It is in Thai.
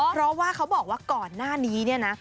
เพราะว่าเขาบอกว่าก่อนหน้านี้เนี่ยนะ